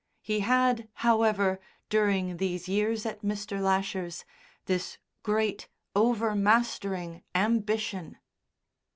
He had, however, during these years at Mr. Lasher's, this great over mastering ambition.